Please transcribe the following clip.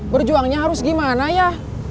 berjuangnya harus gimana ya